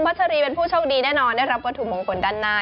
ไม่มีเมียเก็บมีแต่แม่แม่ค่อยเก็บให้